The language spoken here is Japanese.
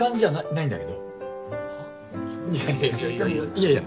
いやいや。